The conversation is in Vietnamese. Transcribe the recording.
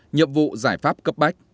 hai một nhiệm vụ giải pháp cấp bách